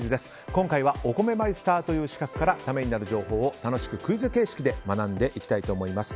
今回はお米マイスターという資格からためになる情報を楽しくクイズ形式で学んでいきたいと思います。